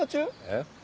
えっ？